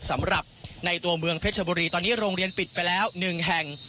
สำหรับในตัวเมืองเพชรบุรีตอนนี้โรงเรียนปิดไปแล้ว๑แห่ง